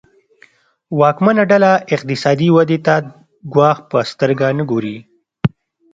واکمنه ډله اقتصادي ودې ته ګواښ په سترګه نه ګوري.